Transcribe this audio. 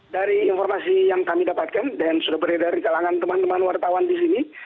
dari informasi yang kami dapatkan dan sudah beredar di kalangan teman teman wartawan di sini